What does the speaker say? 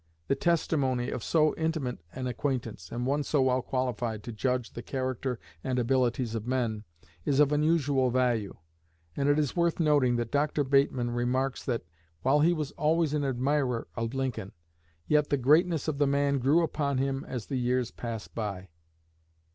The testimony of so intimate an acquaintance, and one so well qualified to judge the character and abilities of men, is of unusual value; and it is worth noting that Dr. Bateman remarks that, while he was always an admirer of Lincoln, yet the greatness of the man grew upon him as the years pass by.